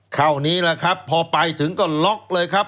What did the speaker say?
คราวนี้ล่ะครับพอไปถึงก็ล๊อคเลยครับ